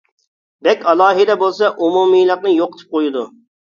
بەك ئالاھىدە بولسا ئومۇمىيلىقنى يوقىتىپ قويىدۇ.